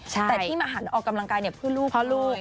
แต่ที่มาหันออกกำลังกายเนี่ยเพื่อลูกเลย